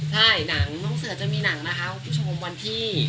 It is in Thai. ใช่หนังน้องเสือจะมีหนังนะคะคุณผู้ชมวันที่